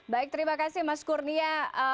baik terima kasih mas kurnia